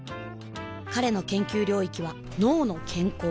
彼の研究領域は「脳の健康」